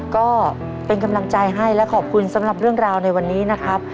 ก็เป็นกำลังใจให้และขอบคุณสำหรับเรื่องราวในวันนี้นะครับ